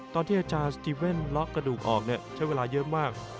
อาจารย์สติเว่นล็อกกระดูกออกใช้เวลาเยอะมาก